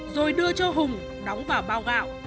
rồi đưa cho hùng đóng vào bao gạo